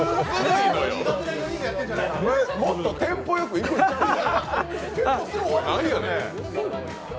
もっとテンポよくいくんちゃうの？